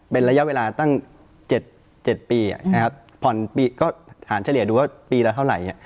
เป็นระยะเวลาตั้ง๗ปีผ่อนปีก็ฐานเฉลี่ยดูว่าปีละเท่าไหร่